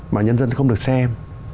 mà nhân dân không được xem